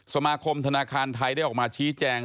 สมาคมธนาคารไทยได้ออกมาชี้แจง